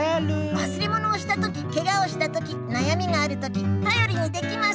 わすれものをしたときケガをしたときなやみがあるときたよりにできます！